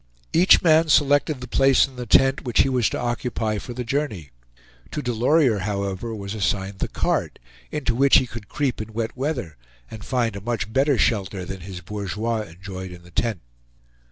Each man selected the place in the tent which he was to occupy for the journey. To Delorier, however, was assigned the cart, into which he could creep in wet weather, and find a much better shelter than his bourgeois enjoyed in the tent.